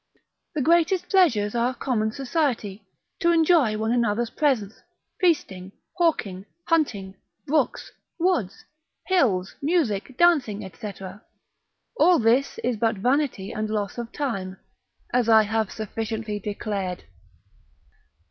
The greatest pleasures are common society, to enjoy one another's presence, feasting, hawking, hunting, brooks, woods, hills, music, dancing, &c. all this is but vanity and loss of time, as I have sufficiently declared.